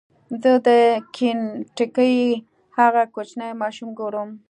زه د کینټکي هغه کوچنی ماشوم ګورم.